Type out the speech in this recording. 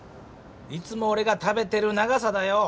いつもおれが食べてる長さだよ！